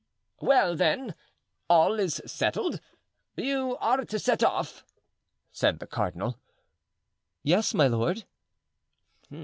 "Well, then, all is settled; you are to set off," said the cardinal. "Yes, my lord."